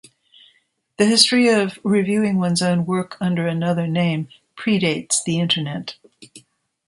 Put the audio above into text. The history of reviewing one's own work under another name predates the Internet.